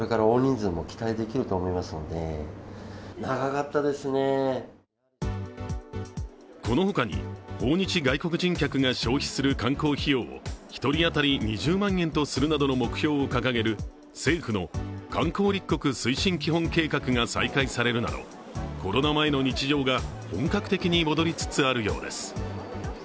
これに対してこの他に訪日外国人客が消費する観光費用を１人当たり２０万円とするなどの目標を掲げる政府の観光立国推進基本計画が再開されるなどコロナ前の日常が本格的に戻りつつあるようです。